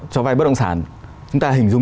cho vay bất động sản chúng ta hình dung